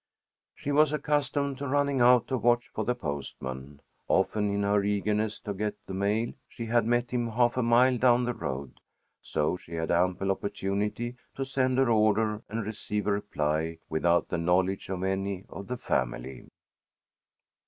She was accustomed to running out to watch for the postman. Often in her eagerness to get the mail she had met him half a mile down the road. So she had ample opportunity to send her order and receive a reply without the knowledge of any of the family.